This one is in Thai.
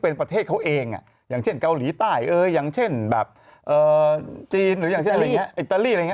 อย่างเช่นเกาหลีใต้อย่างเช่นจีนอิตาลีอะไรอย่างนี้